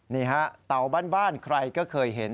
นี่ฮะเต่าบ้านใครก็เคยเห็น